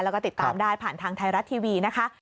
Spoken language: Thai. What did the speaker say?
แล้วก็ติดตามได้ผ่านทางไทยรัฐทีวีนะคะ